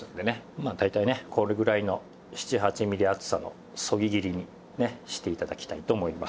まあ大体ねこれぐらいの７８ミリ厚さのそぎ切りにねして頂きたいと思います。